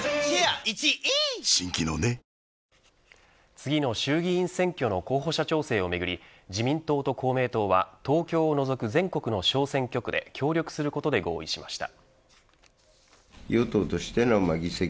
次の衆議院選挙の候補者調整をめぐり自民党と公明党は東京を除く全国の小選挙区で協力することで合意しました。